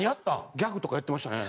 ギャグとかやってましたね。